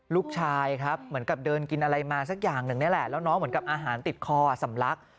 ลูกชายครับเหมือนกับเดินกินอะไรมาสักอย่างหนึ่งนี่แหละแล้วน้องเหมือนกับอาหารติดคอสำลัก